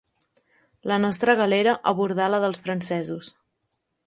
La nostra galera abordà la dels francesos.